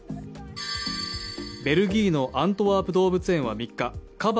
ベルギーのアントワープ動物園は３日、カバ